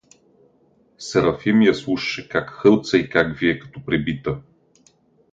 Серафим я слушаше как хълца и как вие като пребита.